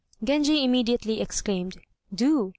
Genji immediately exclaimed, "Do!